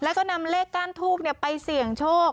แล้วก็นำเลขก้านทูบไปเสี่ยงโชค